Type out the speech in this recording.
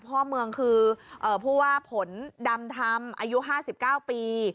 พ่อเมืองคือผู้ว่าผลดำธรรมอายุ๕๙ปี